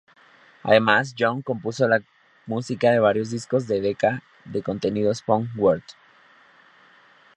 Además, Young compuso la música de varios discos de Decca de contenido spoken word.